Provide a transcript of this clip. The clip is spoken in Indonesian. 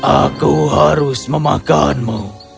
aku harus memakanmu